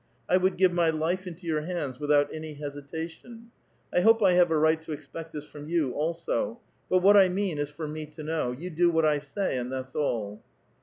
I would give my life into your hands ^itliout any hesitation. 1 hope 1 have a right to expect this ^^^xn you also. But what I mean is for me to know. You "^ ^hat I say, and that's all."